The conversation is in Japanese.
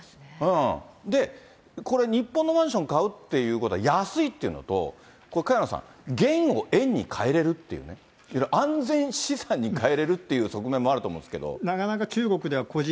で、これ、日本のマンション買うっていうことは安いっていうのと、萱野さん、元を円に替えれるっていうね、安全資産にかえれるっていう側面もあると思うんですけど。